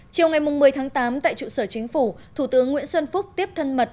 chiều ngày một mươi tháng tám tại trụ sở chính phủ thủ tướng nguyễn xuân phúc tiếp thân mật